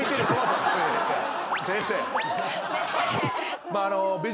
先生。